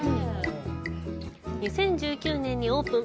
２０１９年にオープン。